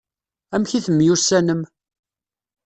Amek i temyussanem?